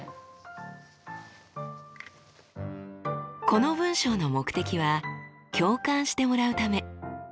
この文章の目的は「共感してもらうため」。